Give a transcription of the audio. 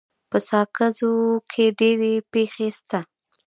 په ساکزو کي ډيري پښي سته.